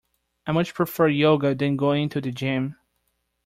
I much prefer yoga than going to the gym